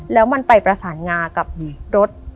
แล้วมันไปประสานงากับรถ